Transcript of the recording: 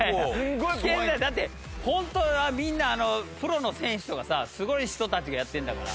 だってホントはみんなプロの選手とかさすごい人たちがやってんだから。